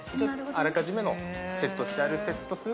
あらかじめのセットしてあるセット数が８人。